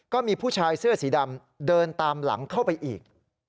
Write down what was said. ก็มีผู้ชายเสื้อสีดำเดินตามหลังเข้าไปอีก